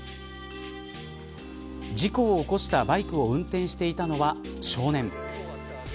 事故を起こしたバイクを運転していたのは少年。